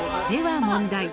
では問題。